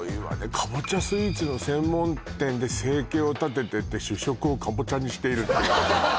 カボチャスイーツの専門店で生計を立ててて主食をカボチャにしているっていうね